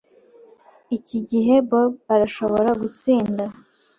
Iki gihe Bob arashobora gutsinda.